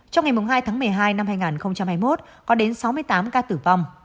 trong ngày hai tháng một mươi hai năm hai nghìn hai mươi một có đến sáu mươi tám ca tử vong